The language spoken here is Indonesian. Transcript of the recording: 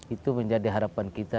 itu menjadi harapan kita